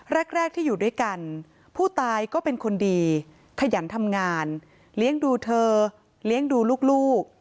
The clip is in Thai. แรกที่อยู่ด้วยกันผู้ตายก็เป็นคนดีขยันทำงานเลี้ยงดูเธอเลี้ยงดูลูก